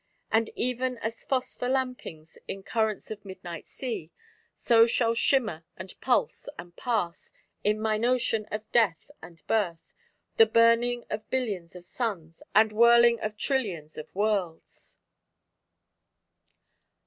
And even as phosphor lampings in currents of midnight sea, so shall shimmer and pulse and pass, in mine Ocean of Death and Birth, the burning of billions of suns, the whirling of trillions of worlds....